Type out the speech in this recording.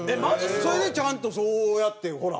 それでちゃんとそうやってほら。